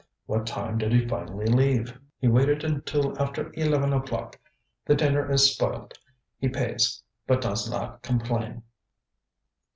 ŌĆ£What time did he finally leave? ŌĆØ ŌĆ£He waited until after eleven o'clock. The dinner is spoilt. He pays, but does not complain.